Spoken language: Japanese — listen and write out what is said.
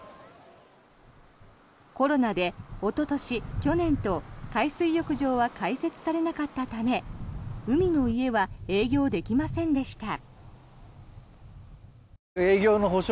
コロナでおととし、去年と海水浴場は開設されなかったため海の家は営業できませんでした。